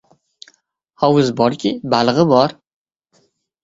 Hovuz borki, balchig‘i bor.